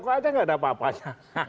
kok aja gak ada apa apanya